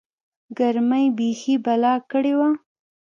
گرمۍ بيخي بلا کړې وه.